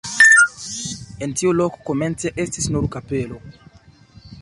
En tiu loko komence estis nur kapelo.